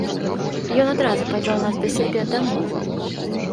Ён адразу павёў нас да сябе дамоў.